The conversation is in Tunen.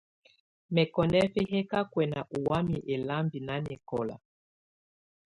Mɛkɔnɛfɛ yɛ ka kuɛ̀na ɔ wamɛ̀á ɛlamba nanɛkɔla.